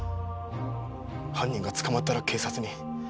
犯人が捕まったら警察に。